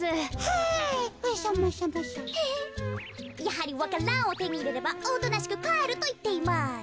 やはりわか蘭をてにいれればおとなしくかえるといっています。